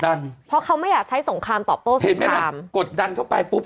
เพราะเขาไม่อยากใช้สงครามตอบโต้ใช่ไหมล่ะกดดันเข้าไปปุ๊บ